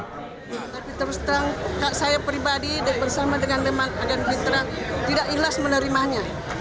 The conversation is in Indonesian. tapi terus terang saya pribadi bersama dengan agen mitra tidak ilas menerimanya